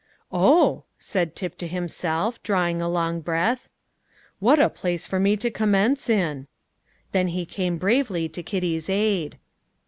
"Oh," said Tip to himself, drawing a long breath, "what a place for me to commence in!" Then he came bravely to Kitty's aid.